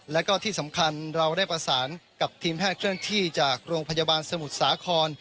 แล้วก็ที่สำคัญเราได้ประสานกับทีมแพทย์เคลื่อนที่จากโรงพยาบาลสมุทรสาคร